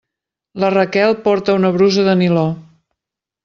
La Raquel porta una brusa de niló.